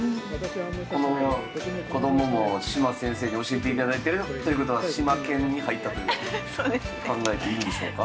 この子どもも島先生に教えていただいてるということは島研に入ったと考えていいんでしょうか。